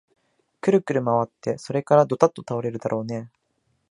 くるくるまわって、それからどたっと倒れるだろうねえ